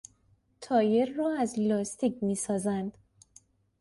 تایر را از لاستیک میسازند.